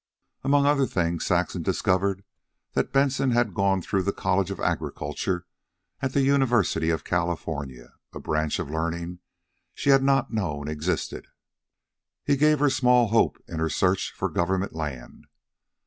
Among other things Saxon discovered that Benson had gone through the College of Agriculture at the University of California a branch of learning she had not known existed. He gave her small hope in her search for government land.